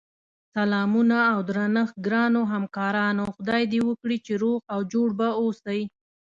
سلامونه اودرنښت ګراونوهمکارانو خدای دی وکړی چی روغ اوجوړبه اووسی